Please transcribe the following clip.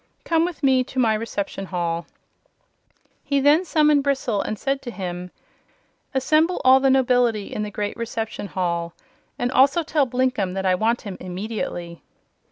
Come with me to my reception hall." He then summoned Bristle and said to him: "Assemble all the nobility in the great reception hall, and also tell Blinkem that I want him immediately."